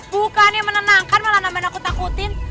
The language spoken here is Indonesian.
bukannya menenangkan malah nambah nakut nakutin